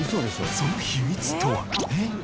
その秘密とは？